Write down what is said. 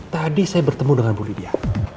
tadi saya bertemu dengan bu lydia